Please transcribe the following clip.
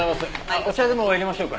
お茶でも淹れましょうか。